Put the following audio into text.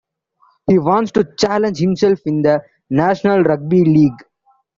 He wants to challenge himself in the National Rugby League.